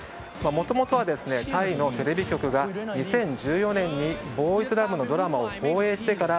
もともとは、タイのテレビ局が２０１４年にボーイズラブのドラマを放映してから